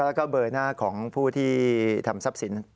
แล้วก็เบอร์หน้าของผู้ที่ทำทรัพย์สิน